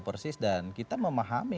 persis dan kita memahami